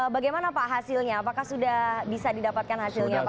bagaimana pak hasilnya apakah sudah bisa didapatkan hasilnya pak